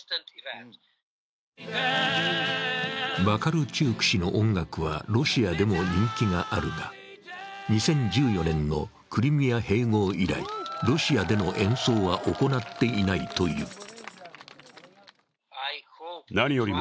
バカルチューク氏の音楽はロシアでも人気があるが、２０１４年のクリミア併合以来ロシアでの演奏は行っていないという。